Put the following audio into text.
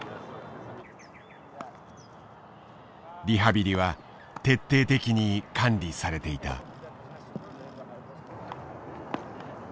リハビリは徹底的に管理されていた。